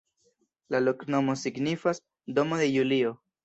La loknomo signifas: domo de Julio.